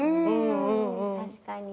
確かに。